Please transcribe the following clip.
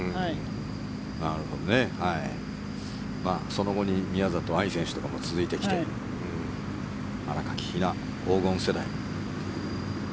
その後に宮里藍選手とかも続いてきて新垣比菜、黄金世代。